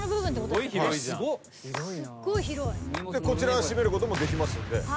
こちら閉めることもできますんで。